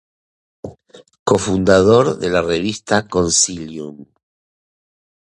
Cofundador de la revista Concilium.